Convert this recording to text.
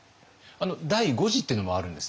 第五次っていうのもあるんですね？